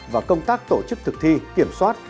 và công tác tổ chức thực thi kiểm soát